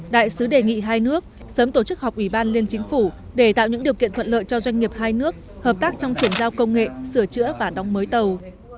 đại sứ đề nghị hai nước sớm tổ chức họp ủy ban liên chính phủ để tạo những điều kiện thuận lợi cho doanh nghiệp hai nước hợp tác trong chuyển giao công nghệ sửa chữa và đóng mới tàu